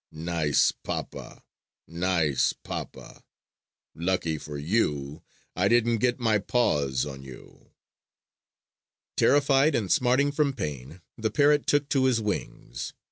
Nice papa! Nice papa! Lucky for you I didn't get my paws on you!" Terrified and smarting from pain, the parrot took to his wings.